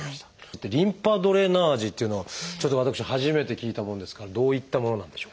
リンパドレナージっていうのはちょっと私初めて聞いたもんですからどういったものなんでしょうか？